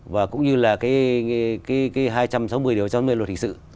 và cũng như là cái hai trăm sáu mươi điều trong nguyên luật hình sự